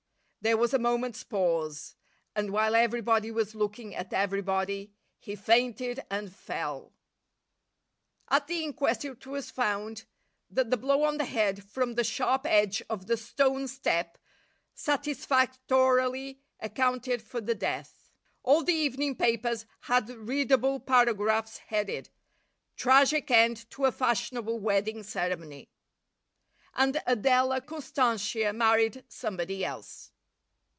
There was a moment's pause, and while everybody was looking at everybody he fainted and fell. At the inquest it was found that the blow on the head from the sharp edge of the stone step satisfactorily accounted for the death. All the evening papers had readable paragraphs headed "Tragic End to a Fashionable Wedding Ceremony." And Adela Constantia married somebody else.